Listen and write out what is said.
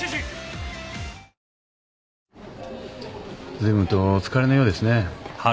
ずいぶんとお疲れのようですね。